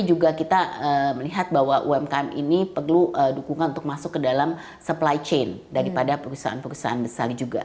umkm ini perlu dukungan untuk masuk ke dalam supply chain daripada perusahaan perusahaan besar juga